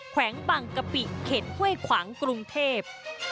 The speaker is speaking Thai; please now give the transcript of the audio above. แขวงบางกะปิเขตห้วยขวางกรุงเทพ